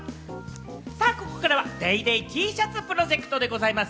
ここからは『ＤａｙＤａｙ．』Ｔシャツプロジェクトでございます。